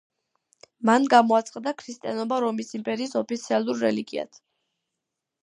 მან გამოაცხადა ქრისტიანობა რომის იმპერიის ოფიციალურ რელიგიად.